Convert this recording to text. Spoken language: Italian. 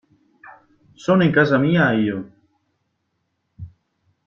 Sono in casa mia, io!